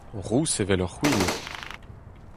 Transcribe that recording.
Rous evel ur c'hwil.